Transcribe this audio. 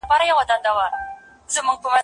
د لوی افغانستان شاعران ټول راغونډو